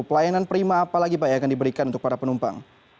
pelayanan prima apa lagi pak yang akan diberikan untuk para penumpang